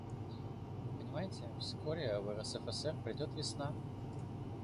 Вы понимаете, вскоре в РСФСР придет весна.